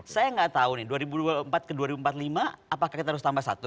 saya nggak tahu nih dua ribu dua puluh empat ke dua ribu empat puluh lima apakah kita harus tambah satu